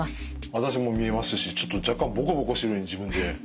私も見えますしちょっと若干ボコボコしているように自分で。